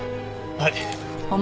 はい。